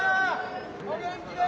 お元気で！